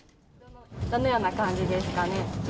どのような感じですかね。